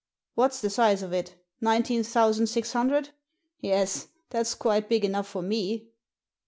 What's the size of it? Nineteen thousand six hundred — yes, that's quite big enough for me."